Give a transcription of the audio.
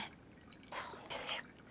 そうなんですよ。